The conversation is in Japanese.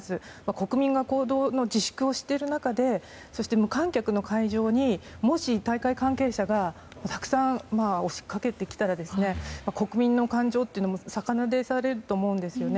国民が行動自粛している中で無観客の会場にもし大会関係者がたくさん押しかけてきたら国民の感情というのも逆なでされると思うんですよね。